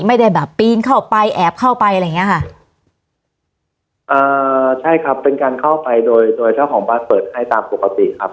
ไม่ได้แบบปีนเข้าไปแอบเข้าไปอะไรอย่างเงี้ยค่ะอ่าใช่ครับเป็นการเข้าไปโดยโดยเจ้าของบ้านเปิดให้ตามปกติครับ